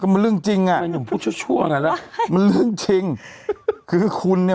มันแย่ไงไปต่อไหนไม่มีแบบนี้